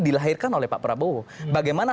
dilahirkan oleh pak prabowo bagaimana